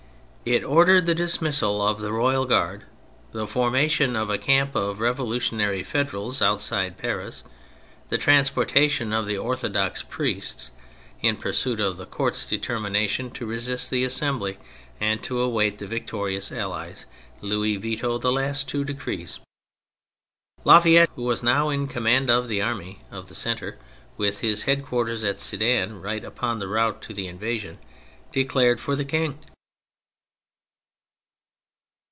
It ordered the dismissal of the royal Guard, the formation of a camp of revolutionary Federals outside Paris, the transportation of the orthodox priests; in pursuit of the Court's determina tion to resist the Assembly and to await the victorious allies, Louis vetoed the last two decrees. La Fayette, who was now in com mand of the army of the centre, with his head quarters at Sedan, right upon the route of the invasion, declared for the King.